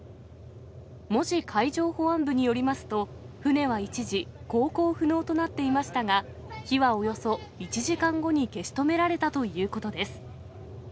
門司海上保安部によりますと、船は一時、航行不能となっていましたが、火はおよそ１時間後に消し止められたということです。